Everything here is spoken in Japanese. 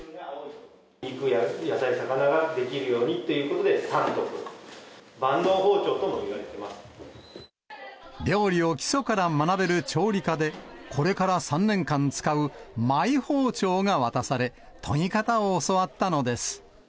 肉や野菜、魚を切るようにということで、三徳、料理を基礎から学べる調理科で、これから３年間使うマイ包丁が渡され、研ぎ方を教わったのです。